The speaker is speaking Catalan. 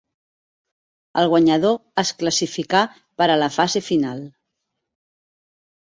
El guanyador es classificà per a la fase final.